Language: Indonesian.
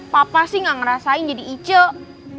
papa sih gak ngerasain jadi icek